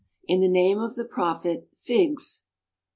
In the name of the Prophet figs!